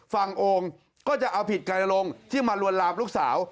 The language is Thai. โอ่งก็จะเอาผิดกายนรงค์ที่มาลวนลามลูกสาว